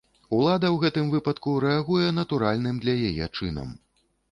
Улада ў гэтым выпадку рэагуе натуральным для яе чынам.